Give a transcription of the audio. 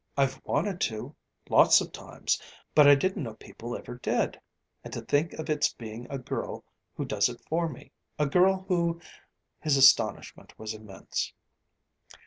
I've wanted to, lots of times; but I didn't know people ever did. And to think of its being a girl who does it for me, a girl who...." His astonishment was immense.